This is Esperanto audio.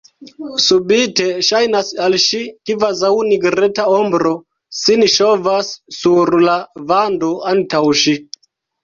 Subite ŝajnas al ŝi, kvazaŭ nigreta ombro sin ŝovas sur la vando antaŭ ŝi.